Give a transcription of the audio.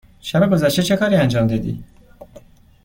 شب گذشته چه کاری انجام دادی؟